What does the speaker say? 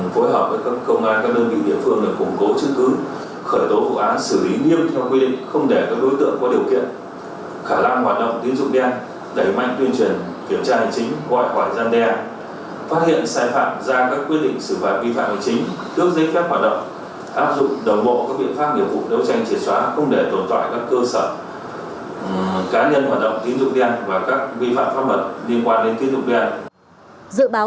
phòng kể tranh sự quần phối hợp với các công an các đơn vị địa phương để củng cố chức cứ